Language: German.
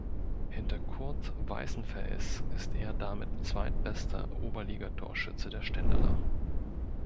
Hinter Kurt Weißenfels ist er damit zweitbester Oberliga-Torschütze der Stendaler.